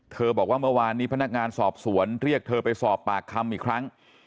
บอกว่าเมื่อวานนี้พนักงานสอบสวนเรียกเธอไปสอบปากคำอีกครั้ง